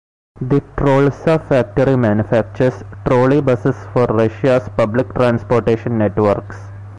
The Trolza factory manufactures trolleybuses for Russia's public transportation networks.